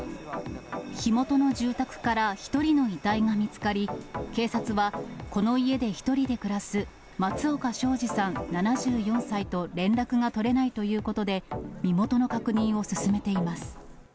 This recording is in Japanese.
火元の住宅から１人の遺体が見つかり、警察はこの家で１人で暮らす松岡省自さん７４歳と連絡が取れないということで、身元の確認を進めています。